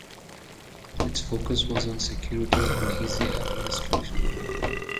Its focus was on security and easy administration.